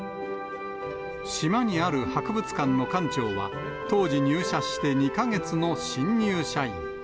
島にある博物館の館長は、当時、入社して２か月の新入社員。